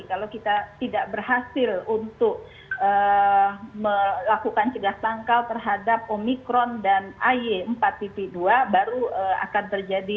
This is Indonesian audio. kalau kita tidak berhasil untuk melakukan cegah sangkal terhadap omikron dan ay empat dua baru akan terjadi